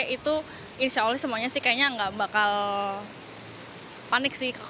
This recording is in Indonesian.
itu insya allah semuanya sih kayaknya nggak bakal panik sih